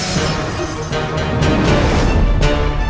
sampai jumpa lagi